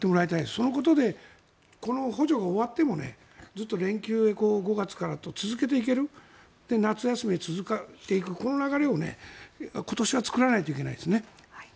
そのことでこの補助が終わってもずっと連休、５月からと続けていける夏休みも続けるこの流れを今年は作らないといけないですね。